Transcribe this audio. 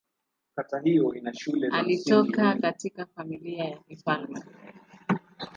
Alitoka katika familia ya kifalme.